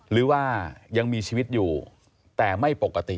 หรือว่ายังมีชีวิตอยู่แต่ไม่ปกติ